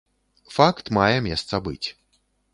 Факт мае месца быць.